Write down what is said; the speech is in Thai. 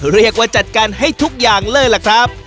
เรียกว่าจัดการให้ทุกอย่างเลยล่ะครับ